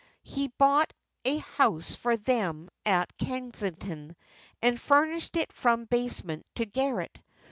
He bought a house for them at Kensington and furnished it from basement to garret.